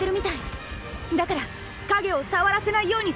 だから影を触らせないようにすれば大丈夫。